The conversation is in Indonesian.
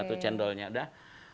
atau cendolnya udah